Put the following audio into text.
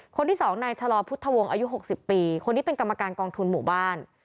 คนที่๒นายชะลอพุทธวงศ์อายุ๖๐ปีคนนี้เป็นกรรมการกองทุนหมู่บ้าน